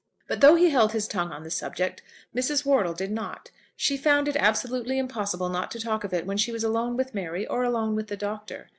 But though he held his tongue on the subject, Mrs. Wortle did not. She found it absolutely impossible not to talk of it when she was alone with Mary, or alone with the Doctor.